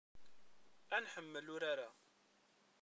Ad nḥemmel urar-a.